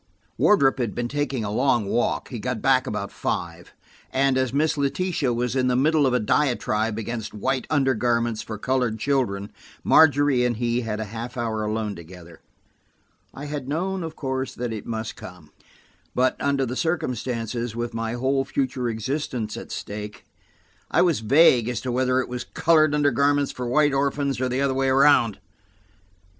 Wardrop had been taking a long walk; he got back about five, and as Miss Letitia was in the middle of a diatribe against white undergarments for colored children, Margery and he had a half hour alone together. I had known, of course, that it must come, but under the circumstances, with my whole future existence at stake, I was vague as to whether it was colored undergarments on white orphans or the other way round.